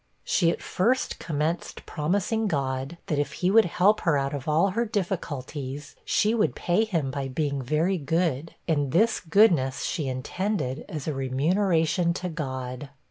She at first commenced promising God, that if he would help her out of all her difficulties, she would pay him by being very good; and this goodness she intended as a remuneration to God.